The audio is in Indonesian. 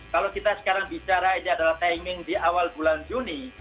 kalau kita sekarang bicara ini adalah timing di awal bulan juni